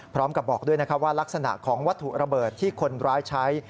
พร้อมกับบอกด้วยว่ารักษณะของวัตถุระเบิดที่คนร้ายใช้